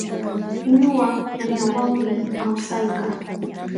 Ñuqa ñañawanmi awsaykaa.